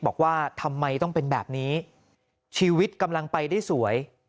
บอกว่าทำไมต้องเป็นแบบนี้ชีวิตกำลังไปได้สวย